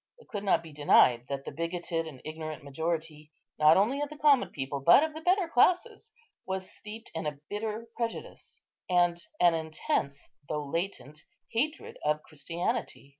It could not be denied that the bigoted and ignorant majority, not only of the common people, but of the better classes, was steeped in a bitter prejudice, and an intense, though latent, hatred of Christianity.